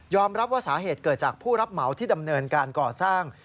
รับว่าสาเหตุเกิดจากผู้รับเหมาที่ดำเนินการก่อสร้าง